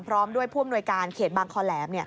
พร้อมด้วยผู้อำนวยการเขตบางคอแหลม